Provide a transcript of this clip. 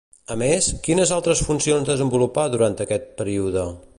A més, quines altres funcions desenvolupà durant aquest període?